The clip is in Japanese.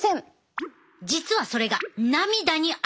実はそれが涙にあるねん。